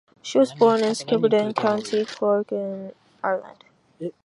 She was born in Skibbereen, County Cork, in Ireland.